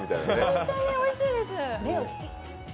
本当においしいです。